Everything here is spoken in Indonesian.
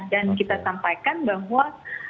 dan kita sampaikan bahwa